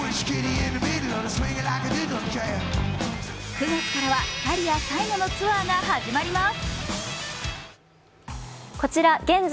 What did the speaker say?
９月からはキャリア最後のツアーが始まります。